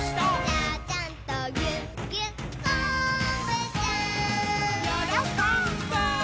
「ちゃちゃんとぎゅっぎゅっこんぶちゃん」